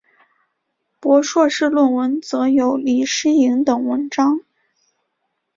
博硕士论文则有李诗莹等文章。